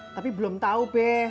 tapi belum tau be